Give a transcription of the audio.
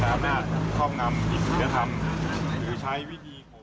หรือใช้วิธี